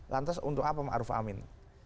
lantas untuk apa ma'ruf amin